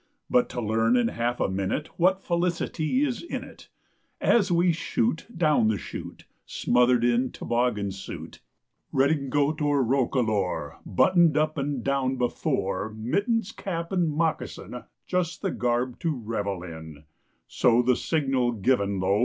But to learn in half a minute What felicity is in it, As we shoot down the chute, Smothered in toboggan suit, Redingote or roquelaure, Buttoned up (and down) before, Mittens, cap, and moccasin, Just the garb to revel in; So, the signal given, lo!